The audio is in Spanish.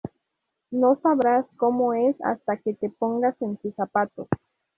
No sabrás como es hasta que no te pongas en sus zapatos